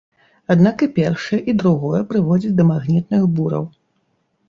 Аднак і першае, і другое прыводзіць да магнітных бураў.